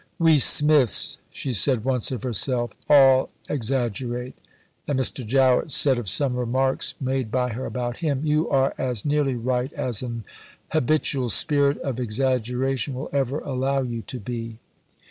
"We Smiths," she said once of herself, "all exaggerate"; and Mr. Jowett said of some remarks made by her about him: "You are as nearly right as an habitual spirit of exaggeration will ever allow you to be."